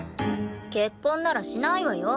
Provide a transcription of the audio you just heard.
結婚ならしないわよ。